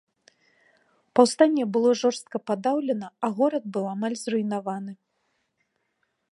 Паўстанне было жорстка падаўлена, а горад быў амаль зруйнаваны.